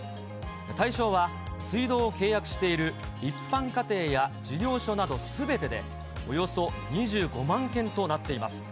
対象は、水道を契約している一般家庭や事業所などすべてで、およそ２５万件となっています。